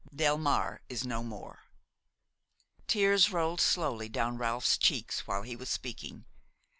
Delmare is no more." Tears rolled slowly down Ralph's cheeks while he was speaking.